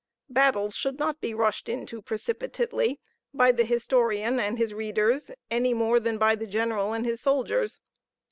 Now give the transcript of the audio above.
Battles should not be rushed into precipitately by the historian and his readers, any more than by the general and his soldiers.